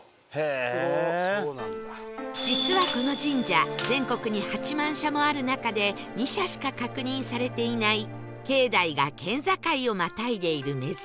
実はこの神社全国に８万社もある中で２社しか確認されていない境内が県境をまたいでいる珍しい神社